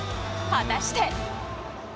果たして？